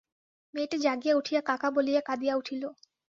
মেয়েটি জাগিয়া উঠিয়া কাকা বলিয়া কাঁদিয়া উঠিল।